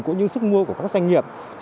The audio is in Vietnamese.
cũng như sức mua của các doanh nghiệp